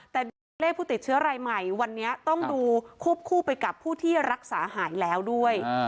แต่ดูตัวเลขผู้ติดเชื้อรายใหม่วันนี้ต้องดูควบคู่ไปกับผู้ที่รักษาหายแล้วด้วย